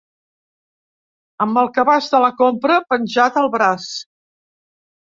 Amb el cabàs de la compra penjat al braç